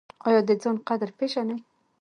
ایا د ځان قدر پیژنئ؟